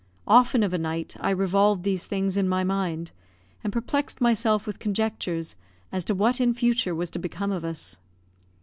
Often of a night I revolved these things in my mind, and perplexed myself with conjectures as to what in future was to become of us.